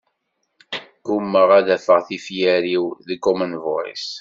Gummaɣ ad afeɣ tifyar-iw deg common voice.